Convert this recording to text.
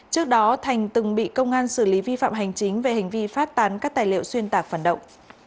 trước đó thành từng bị công an xử lý vi phạm hành chính về hành vi phát tán các tài liệu xuyên tạc phản động